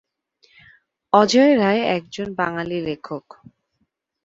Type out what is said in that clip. অজয় রায় একজন বাঙালি লেখক।